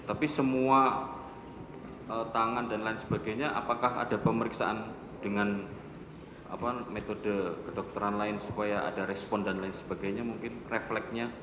tapi semua tangan dan lain sebagainya apakah ada pemeriksaan dengan metode kedokteran lain supaya ada respon dan lain sebagainya mungkin refleksnya